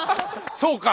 そうか！